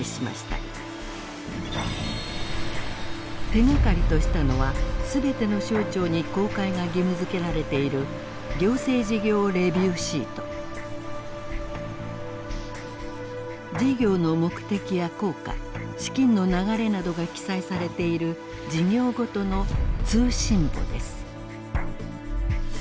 手がかりとしたのは全ての省庁に公開が義務づけられている事業の目的や効果資金の流れなどが記載されている事業ごとの通信簿です。